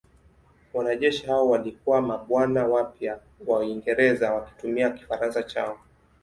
Wanajeshi hao walikuwa mabwana wapya wa Uingereza wakitumia Kifaransa chao.